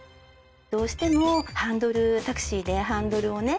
どうしてもハンドルタクシーでハンドルをね